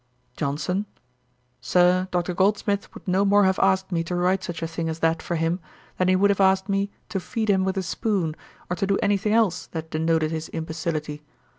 JOHNSON. 'Sir, Dr. Goldsmith would no more have asked me to write such a thing as that for him, than he would have asked me to feed him with a spoon, or to do anything else that denoted his imbecility.